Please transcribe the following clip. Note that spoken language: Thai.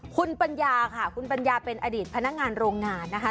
คุณปัญญาค่ะคุณปัญญาเป็นอดีตพนักงานโรงงานนะคะ